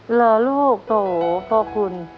เหลอลูกโตขอบคุณ